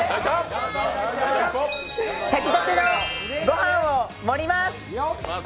炊きたてのご飯を盛ります！